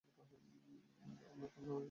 তোমরা দুজন, আমার সাথে চল।